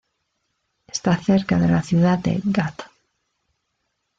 Está cerca de la ciudad de Ghat.